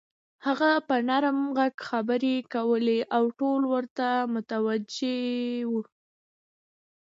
هغه په نرم غږ خبرې کولې او ټول ورته متوجه وو.